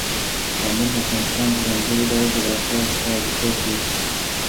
پامیر د افغانستان د ځانګړي ډول جغرافیه استازیتوب کوي.